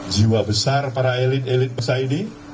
jiwa besar para elit elit besar ini